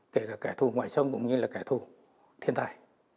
kể cả kẻ thù ngoại trông cũng như là kẻ thù thiên tài